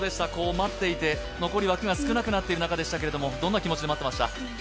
待っていて、残り枠が少なくなってきている中でしたけれども、どんな気持ちで待ってました？